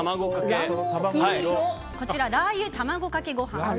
こちら、ラー油卵かけご飯。